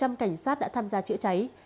một trăm linh cảnh sát đã tham gia chữa cháy